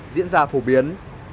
diễn ra phổ biến